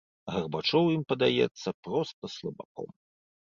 Гарбачоў ім падаецца проста слабаком.